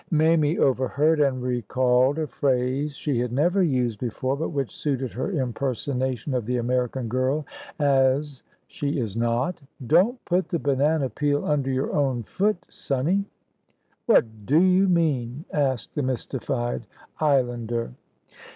Mamie overheard, and recalled a phrase she had never used before, but which suited her impersonation of the American girl as she is not. "Don't put the banana peel under your own foot, sonny!" "What do you mean?" asked the mystified islander.